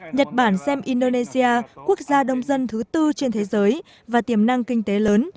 nhật bản xem indonesia quốc gia đông dân thứ tư trên thế giới và tiềm năng kinh tế lớn